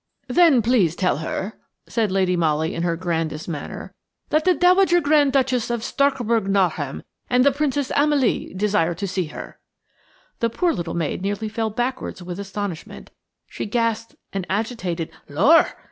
"Then please tell her," said Lady Molly in her grandest manner, "that the Dowager Grand Duchess of Starkburg Nauheim and the Princess Amalie desire to see her." The poor little maid nearly fell backwards with astonishment. She gasped an agitated "Lor!"